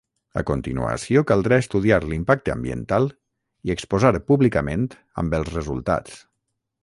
A continuació caldrà estudiar l’impacte ambiental i exposar públicament amb els resultats.